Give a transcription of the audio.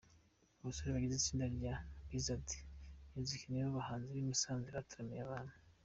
Abasore bagize itsinda rya Bizard Music nibo bahanzi b'i Musanze bataramiye abantu.